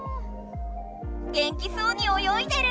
元気そうにおよいでる！